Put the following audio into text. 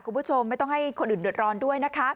คุณผู้ชมไม่ต้องให้คนอื่นเดือดร้อนด้วยนะคะ